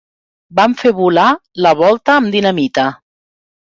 Van fer volar la volta amb dinamita.